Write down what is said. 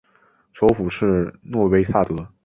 首府是诺维萨德。